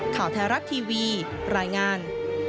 ข่าวไทยรัฐทีวีรายงาน